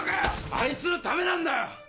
あいつのためなんだよ！